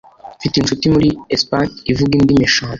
Mfite inshuti muri Espagne ivuga indimi eshanu.